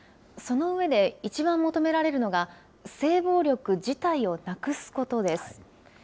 その上で、一番求められるのが、性暴力自体をなくすことです。